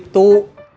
tinggal di situ